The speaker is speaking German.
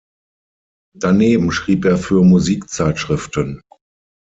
Daneben schrieb er für Musikzeitschriften.